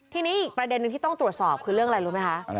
ทีนี้อีกประเด็นหนึ่งที่ต้องตรวจสอบคือเรื่องอะไรรู้ไหมคะ